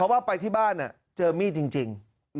ว่าไปที่บ้านเจอมีดจริง